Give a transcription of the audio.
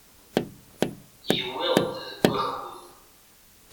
Yewweḍ-d deg wakud.